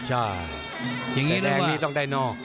แต่แดงนี้ต้องได้นอก